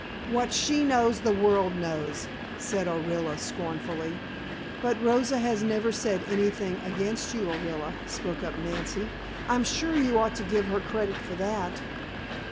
What she knows the world knows," said Orilla, scornfully. "But Rosa has never said anything against you, Orilla," spoke up Nancy. "I'm sure you ought to give her credit for that."